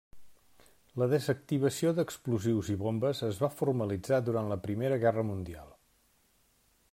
La desactivació d'explosius i bombes es va formalitzar durant la Primera Guerra Mundial.